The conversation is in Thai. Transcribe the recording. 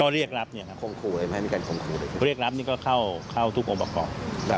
เรียกรับนี่ก็เข้าทุกอุปกรณ์